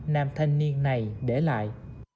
nam thanh niên này để lại